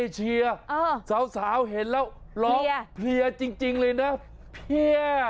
สาวเห็นแล้วเพลียจริงเลยนะเพลีย